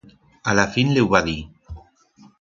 A la fin le hu va dir.